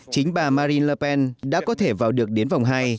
chính bà marine le pen đã có thể vào được đến vòng hai